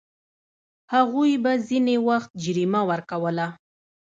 هغوی به ځینې وخت جریمه ورکوله.